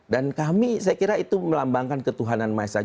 dan kami saya kira itu melambangkan ketuhanan maisa